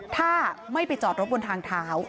ถ้าไม่ไปจอดรถบนทางเท้า